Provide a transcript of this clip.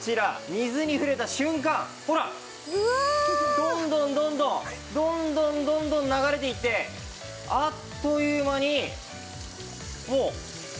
どんどんどんどんどんどんどんどん流れていってあっという間にもう。